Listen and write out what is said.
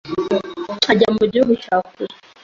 ajya mu gihugu cya kure